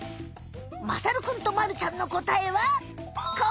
まさるくんとまるちゃんのこたえはここ！